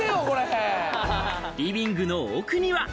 リビングの奥には。